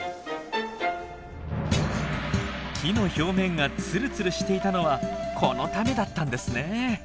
木の表面がツルツルしていたのはこのためだったんですね。